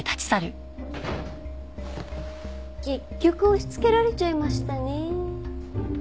結局押しつけられちゃいましたね。